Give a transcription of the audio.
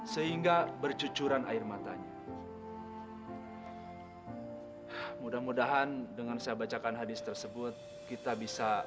sehingga bercucuran air matanya mudah mudahan dengan saya bacakan hadis tersebut kita bisa